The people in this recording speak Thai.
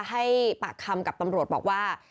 ให้ปากคำกับตำรวจบอกว่า